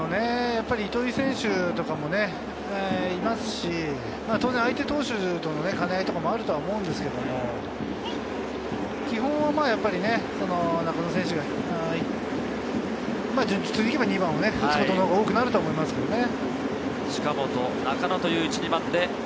やっぱり糸井選手とかもいますし、当然、相手投手との兼ね合いもあると思うんですけど、基本は中野選手が普通にいけば２番を打つことのほうが多くなると思いますけどね。